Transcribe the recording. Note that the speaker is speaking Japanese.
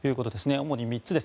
主に３つです。